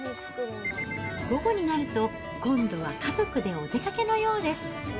午後になると、今度は家族でお出かけのようです。